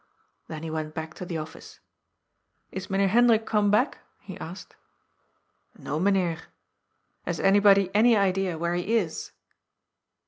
Then he went back to the Office. " Is Mynheer Hendrik come back ?" he asked. " N"o, Mynheer." " Has anybody any idea where he is